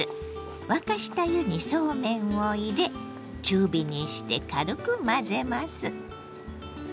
沸かした湯にそうめんを入れ中火にして軽く混ぜます。